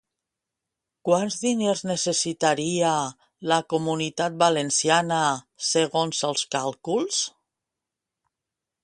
Quants diners necessitaria la Comunitat Valenciana segons els càlculs?